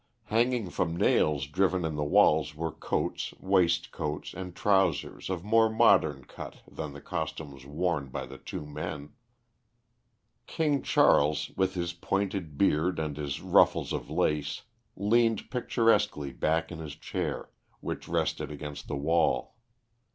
Hanging from nails driven in the walls were coats, waist coats, and trousers of more modern cut than the costumes worn by the two men. King Charles, with his pointed beard and his ruffles of lace, leaned picturesquely back in his chair, which rested against the wall.